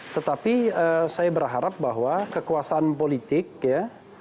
tetapi saya berharap bahwa kekuasaan politik ya